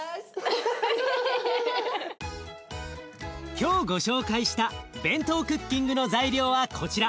今日ご紹介したＢＥＮＴＯクッキングの材料はこちら。